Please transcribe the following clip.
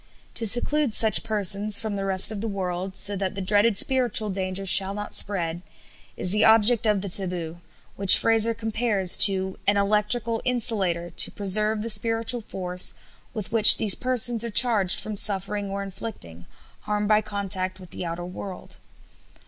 To seclude such persons from the rest of the world, so that the dreaded spiritual danger shall not spread, is the object of the taboo, which Frazer compares to "an electrical insulator to preserve the spiritual force with which these persons are charged from suffering or inflicting, harm by contact with the outer world."